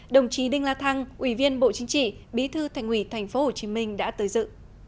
đồng chí đinh la thăng ủy viên bộ chính trị bí thư thành ủy tp hcm đã tới dự